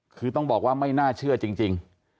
คือต้องบอกว่าไม่น่าเชื่อจริง